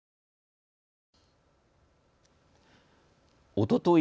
おととい